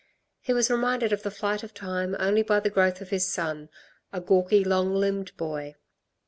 He was reminded of the flight of time only by the growth of his son a gawky, long limbed boy.